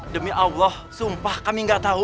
demi allah sumpah kami nggak tahu